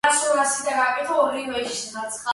ოზონი წარმოიქმნება წვიმის და ჭექა-ქუხილის შედეგად.